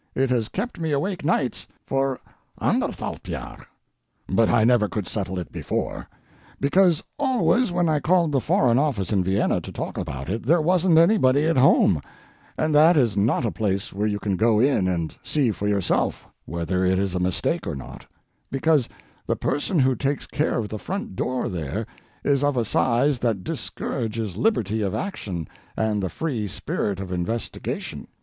It has kept me awake nights for anderthalbjahr. But I never could settle it before, because always when I called at the Foreign Office in Vienna to talk about it, there wasn't anybody at home, and that is not a place where you can go in and see for yourself whether it is a mistake or not, because the person who takes care of the front door there is of a size that discourages liberty of action and the free spirit of investigation.